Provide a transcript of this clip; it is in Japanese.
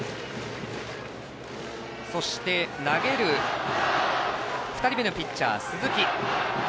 そして投げる２人目のピッチャー、鈴木。